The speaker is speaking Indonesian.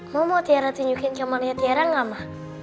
mau tiara tunjukin kamarnya tiara gak ma